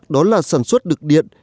đó là sản xuất được điện